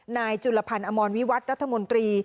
นายจุลพันธ์อมรวิวัตรรัฐมนตรี